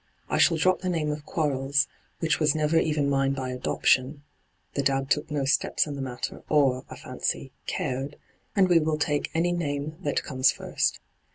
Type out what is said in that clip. I shall drop the name of Quarles, which was never even mine by adoption — the dad took no steps in the matter, or, I fancy, cared — and we will take any name that comes first.